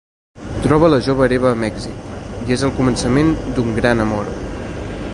Troba la jove hereva a Mèxic i és el començament d'un gran amor.